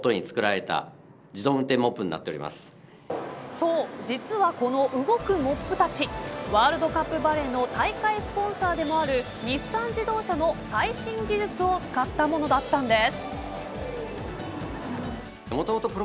そう実は、この動くモップたちワールドカップバレーの大会スポンサーでもある日産自動車の最新技術を使ったものだったんです。